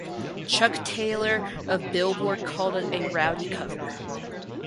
Chuck Taylor of "Billboard" called it "a rowdy cover".